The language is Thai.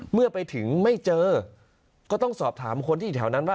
เมื่อไปถึงไม่เจอก็ต้องสอบถามคนที่อยู่แถวนั้นว่า